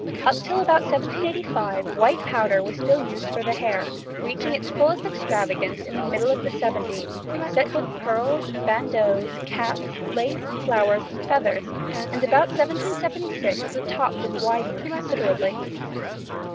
Up till about 1785 white powder was still used for the hair, reaching its fullest extravagance in the middle of the seventies, set with pearls, bandeaus, caps, lace, flowers and feathers, and about 1776 the top was widened considerably.